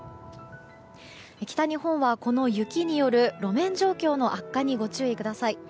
北日本はこの雪による路面状況の悪化にご注意ください。